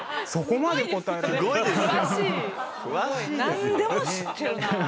何でも知ってるなぁ。